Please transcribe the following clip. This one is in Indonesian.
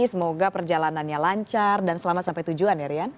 semoga perjalanannya lancar dan selamat sampai tujuan ya rian